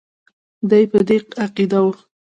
دی په دې عقیده وو.